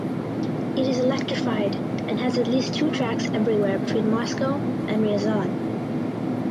It is electrified and has at least two tracks everywhere between Moscow and Ryazan.